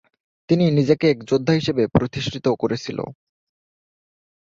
তিনি নিজেকে এক যোদ্ধা হিসেবে প্রতিষ্ঠিত করেছিল।